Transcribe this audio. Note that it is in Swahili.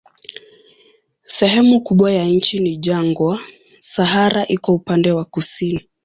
Sehemu kubwa ya nchi ni jangwa, Sahara iko upande wa kusini.